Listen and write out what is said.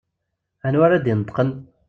Anwa ara d-ineṭṭqen?